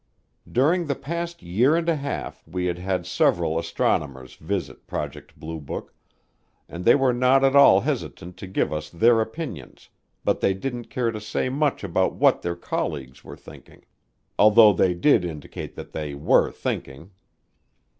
During the past year and a half we had had several astronomers visit Project Blue Book, and they were not at all hesitant to give us their opinions but they didn't care to say much about what their colleagues were thinking, although they did indicate that they were thinking.